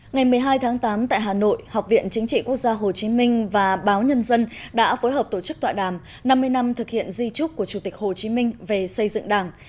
ngày một mươi hai tháng tám tại hà nội học viện chính trị quốc gia hồ chí minh và báo nhân dân đã phối hợp tổ chức tọa đàm năm mươi năm thực hiện di trúc của chủ tịch hồ chí minh về xây dựng đảng